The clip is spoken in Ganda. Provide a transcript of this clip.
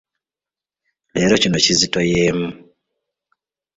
Leero kino kizitoyeemu.